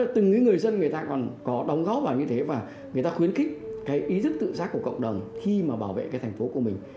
từng người dân còn có đóng góp vào như thế và người ta khuyến khích ý thức tự giác của cộng đồng khi bảo vệ thành phố của mình